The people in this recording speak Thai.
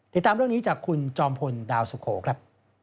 ติดตามเรื่องนี้จากคุณจอมพลดาวสุโขครับ